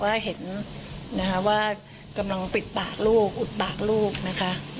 ว่าเห็นนะคะว่ากำลังปิดปากลูกอุดปากลูกนะคะ